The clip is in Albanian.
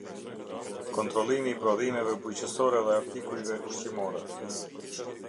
Kontrollimi i prodhimeve bujqësore dhe artikujve ushqimorë.